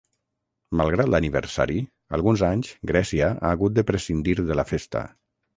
Malgrat l’aniversari, alguns anys Grècia ha hagut de prescindir de la festa.